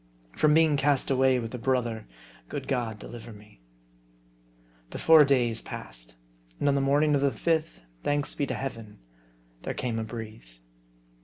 From being cast away with a brother, good G od deliver me ! The four days passed. And on the morning of the fifth, thanks be to Heaven, there came a breeze.